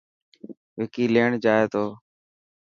وڪي ليڻ جائي تو.